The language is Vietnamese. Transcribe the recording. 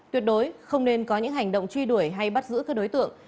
tuyệt đối không nên có những hành động truy đuổi hay bắt giữ các đối tượng